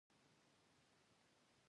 هغه زما کشره خور ده